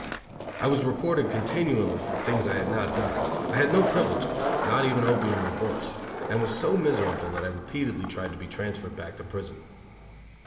I was reported continually for things I had not done, I had no privileges, not even opium or books, and was so miserable that I repeatedly tried to be transferred back to prison.